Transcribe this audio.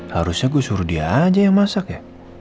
harusnya gue suruh dia aja yang masak ya